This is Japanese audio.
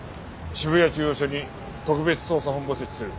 渋谷中央署に特別捜査本部を設置する。